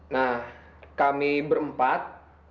nah kami berempat